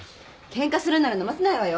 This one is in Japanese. ケンカするなら飲ませないわよ。